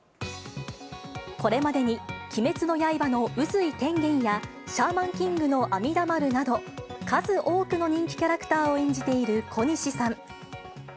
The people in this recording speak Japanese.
これまでに鬼滅の刃の宇髄天元や、シャーマンキングの阿弥陀丸など、数多くの人気キャラクターを演じている小西さん。